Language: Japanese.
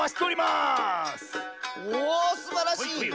おすばらしい！